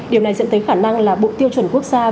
điều này dẫn tới khả năng là bộ tiêu chuẩn quốc gia